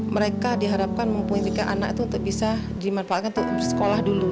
mereka diharapkan mempunyai tiga anak itu untuk bisa dimanfaatkan untuk sekolah dulu